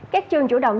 các trường chủ động